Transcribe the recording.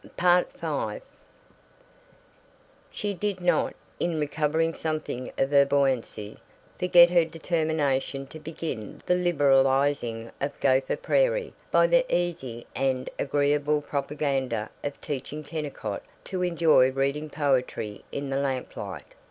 V She did not, in recovering something of her buoyancy, forget her determination to begin the liberalizing of Gopher Prairie by the easy and agreeable propaganda of teaching Kennicott to enjoy reading poetry in the lamplight.